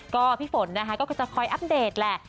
ก็พี่ฝนนะคะก็จะคอยอัปเดตแหละ